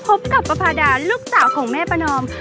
พบกับประพาดาลูกสาวของแม่ประนอม